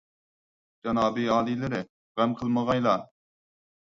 جانابىي ئالىيلىرى، غەم قىلمىغايلا.